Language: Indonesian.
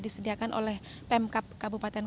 disediakan oleh pemkap kabupaten